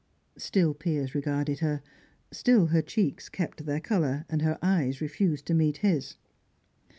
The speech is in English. Still Piers regarded her; still her cheeks kept their colour, and her eyes refused to meet his.